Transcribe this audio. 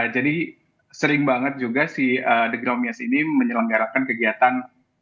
jadi sering banget juga the gromyes ini menyelenggarakan kegiatan